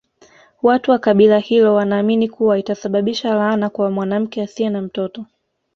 Watu wa kabila hilo wanaamini kuwa itasababisha laana kwa mwanamke asiye na mtoto